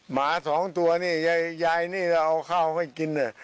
หมา๒ตัวนี่ยายนี่เอาข้าวให้กิน